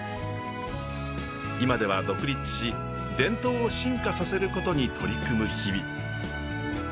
今では独立し伝統を進化させることに取り組む日々。